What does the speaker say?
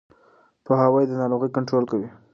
پوهاوی د ناروغۍ کنټرول کوي.